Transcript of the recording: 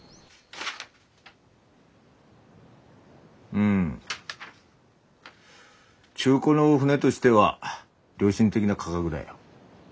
うん中古の船としては良心的な価格だよ。